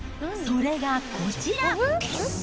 それがこちら。